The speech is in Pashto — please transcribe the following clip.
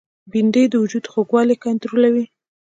بېنډۍ د وجود خوږوالی کنټرولوي